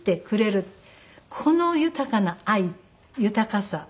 「この豊かな愛豊かさ。